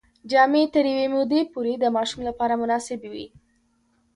جامې تر یوې مودې پورې د ماشوم لپاره مناسبې وي.